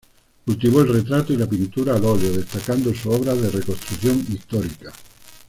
Cultivó el retrato y la pintura al óleo, destacando sus obras de reconstrucción histórica.